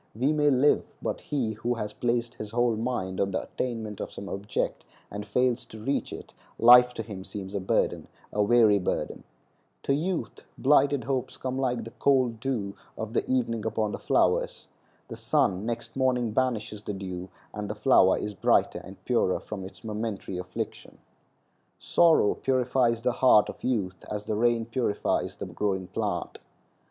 We may live, but he who has placed his whole mind on the attainment of some object and fails to reach it, life to him seems a burden—a weary burden. To youth blighted hopes come like the cold dew of evening upon the flowers. The sun next morning banishes the dew, and the flower is brighter and purer from its momentary affliction. Sorrow purifies the heart of youth as the rain purifies the growing plant.